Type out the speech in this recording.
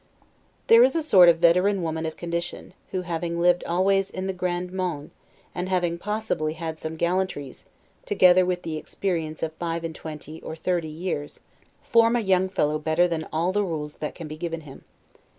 There is a sort of veteran women of condition, who having lived always in the 'grande monde', and having possibly had some gallantries, together with the experience of five and twenty, or thirty years, form a young fellow better than all the rules that can be given him.